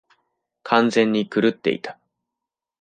完全に狂っていた。